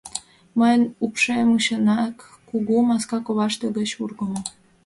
Мыйын упшем чынак кугу, маска коваште гыч ургымо.